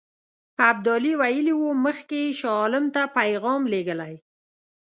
ابدالي ویلي وو مخکې یې شاه عالم ته پیغام لېږلی.